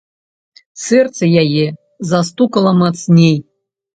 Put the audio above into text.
Сэрца яе застукала мацней.